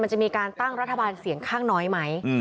มันจะมีการตั้งรัฐบาลเสียงข้างน้อยไหม